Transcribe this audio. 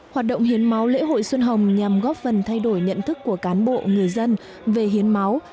hoạt động hiến máu lễ hội xuân hồng nhằm góp phần thay đổi nhận thức của cán bộ người dân về hiến máu